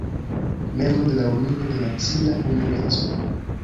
Membro de la Unio de Nacia Unueco.